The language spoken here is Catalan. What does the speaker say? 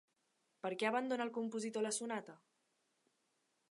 Per què abandona el compositor la sonata?